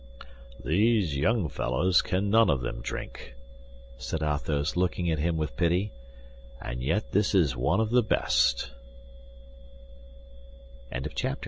"These young fellows can none of them drink," said Athos, looking at him with pity, "and yet this is one of the best!" Chapter XXVIII.